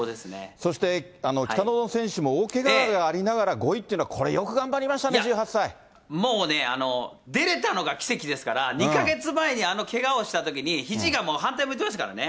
そして、北園選手も大けががありながら５位っていうのはこれ、もうね、出れたのが奇跡ですから、２か月前に、あのけがをしたときに、ひじがもう反対向いてましたからね。